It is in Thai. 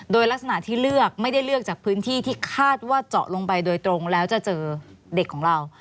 โดยลักษณะที่เลือกไม่ได้เลือกจากพื้นที่ที่คาดว่าเจาะลงไปโดยตรงแล้วจะเจอเด็กของเรา